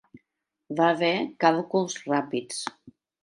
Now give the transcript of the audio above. Va ver càlculs ràpids.